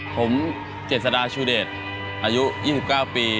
ผมเจษฎาชูเดชอายุ๒๙ปี